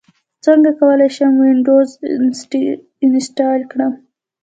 څنګه کولی شم وینډوز انسټال کړم